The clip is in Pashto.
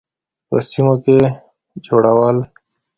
په سیمو کې جوړول.